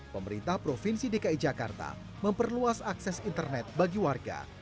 pemerintah provinsi dki jakarta memperluas akses internet bagi warga